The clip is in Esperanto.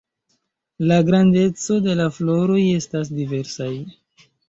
La grandeco de la floroj estas diversaj.